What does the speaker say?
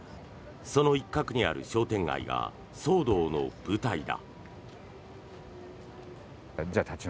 その一角にある商店街が騒動の舞台だ。